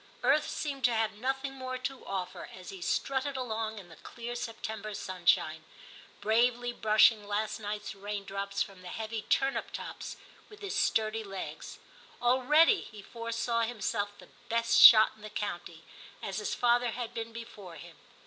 Earth seemed to have nothing more to offer as he strutted II TIM 19 along in the clear September sunshine, bravely brushing last night's raindrops from the heavy turnip tops with his sturdy legs; already he foresaw himself the best shot in the county, as his father had been before him.